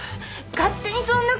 勝手にそんな事！